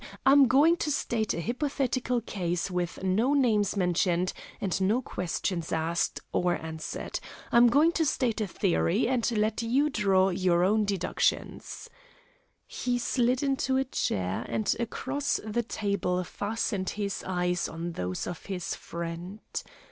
I'm going to state a hypothetical case with no names mentioned and no questions asked, or answered. I'm going to state a theory, and let you draw your own deductions." He slid into a chair, and across the table fastened his eyes on those of his friend.